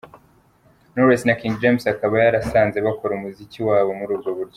Knowless na King James akaba yarasanze bakora umuziki wabo muri ubwo buryo.